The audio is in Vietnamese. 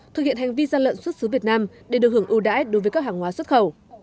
thực hiện hành vi gian lận xuất xứ việt nam để được hưởng ưu đãi đối với các hàng hóa xuất khẩu